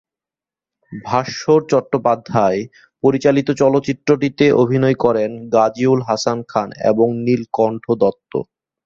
ভাস্বর চট্টোপাধ্যায় পরিচালিত চলচ্চিত্রটিতে অভিনয় করেন গাজীউল হাসান খান এবং নীলকণ্ঠ দত্ত।